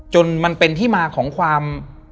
มันเป็นที่มาของความ